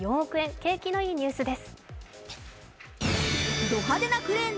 景気のいいニュースです。